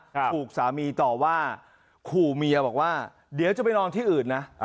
ถูกสามีต่อว่าขู่เมียบอกว่าเดี๋ยวจะไปนอนที่อื่นนะ